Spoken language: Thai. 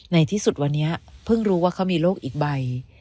ในที่สุดวันนี้เพิ่งรู้ว่าเขามีโรคอีกใบ